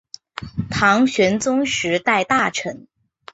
唐玄宗时代大臣。